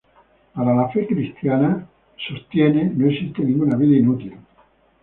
Para la fe cristiana, sostiene, no existe ninguna vida inútil.